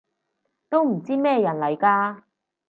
都唔知咩人嚟㗎